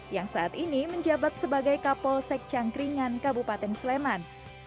yang saat ini menjabat sebagai kapolsek cangkringan kabupaten sleman